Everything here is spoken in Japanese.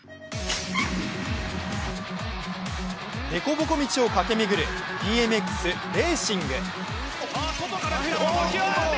凸凹道を駆け上る、ＢＭＸレーシング。